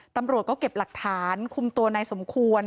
ตำรวจก็เก็บหลักฐานคุมตัวนายสมควร